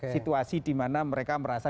situasi di mana mereka merasa